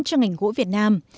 trong ngành gỗ việt nam